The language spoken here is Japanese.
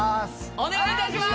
お願い致します！